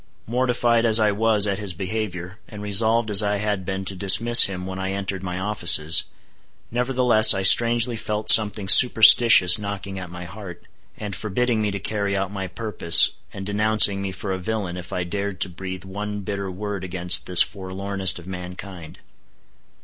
Mortified as I was at his behavior, and resolved as I had been to dismiss him when I entered my offices, nevertheless I strangely felt something superstitious knocking at my heart, and forbidding me to carry out my purpose, and denouncing me for a villain if I dared to breathe one bitter word against this forlornest of mankind.